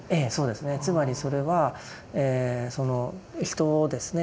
つまりそれはその人をですね